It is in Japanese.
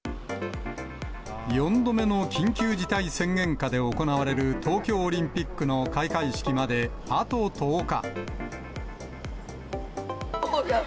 ４度目の緊急事態宣言下で行われる東京オリンピックの開会式まであと１０日。